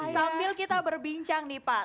sambil kita berbincang nih pak